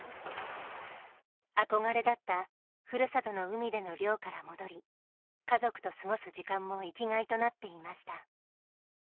憧れだったふるさとの海での漁から戻り家族と過ごす時間も生きがいとなっていました。